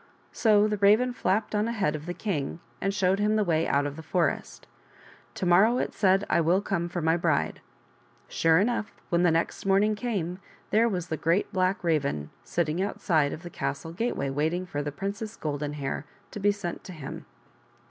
So the Raven flapped on ahead of the king, and showed him the way out of the forest. " To morrow," it said, " I will come for my bride." Sure enough, when the next morning came, there was the Great Black Raven sitting outside of the castle gateway waiting for the Princess Golden* Hair to be sent to him.